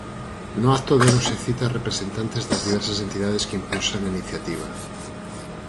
No acto déronse cita representantes das diversas entidades que impulsan a iniciativa.